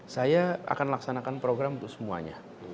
saya akan laksanakan program untuk semuanya